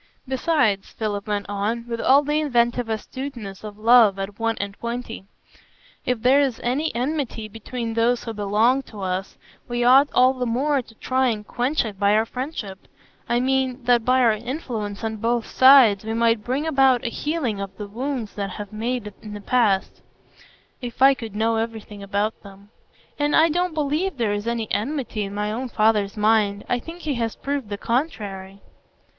Besides," Philip went on, with all the inventive astuteness of love at one and twenty, "if there is any enmity between those who belong to us, we ought all the more to try and quench it by our friendship; I mean, that by our influence on both sides we might bring about a healing of the wounds that have been made in the past, if I could know everything about them. And I don't believe there is any enmity in my own father's mind; I think he has proved the contrary."